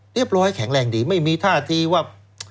ร้อยแข็งแรงดีไม่มีท่าทีว่า